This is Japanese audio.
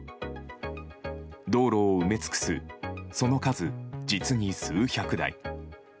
道路を埋め尽くすその数、実に数百台。